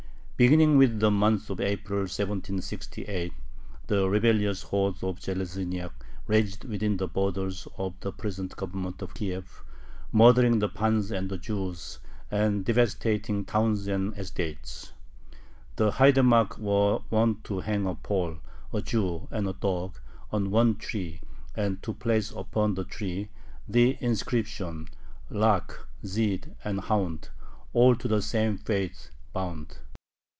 Beginning with the month of April of 1768, the rebellious hordes of Zheleznyak raged within the borders of the present Government of Kiev, murdering the pans and the Jews and devastating towns and estates. The haidamacks were wont to hang a Pole, a Jew, and a dog, on one tree, and to place upon the tree the inscription: "Lakh, Zhyd, and hound all to the same faith bound."